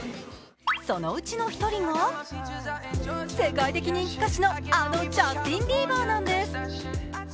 そのうちの１人が世界的人気歌手のあのジャスティン・ビーバーなんです。